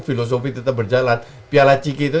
filosofi tetap berjalan piala ciki itu